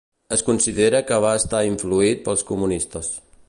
Es considera que va estar influït pels comunistes.